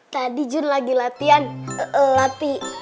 tadi jun lagi latihan latih